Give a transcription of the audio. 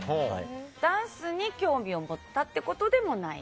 ダンスに興味を持ったってことでもない？